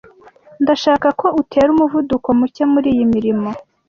Ndashaka ko utera umuvuduko muke kuriyi mirimo.